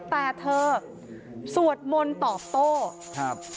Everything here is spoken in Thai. แต่เธอสวดมนต์ตอบโต้ครับ